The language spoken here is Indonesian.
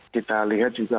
kita lihat juga